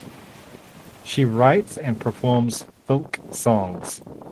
She writes and performs filk songs.